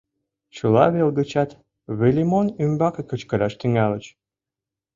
Чыла вел гычат Выльымон ӱмбаке кычкыраш тӱҥальыч.